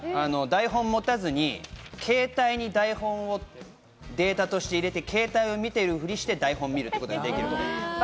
台本を持たずに携帯に台本をデータとして入れて、携帯を見ているふりして台本を見るってことができるんで。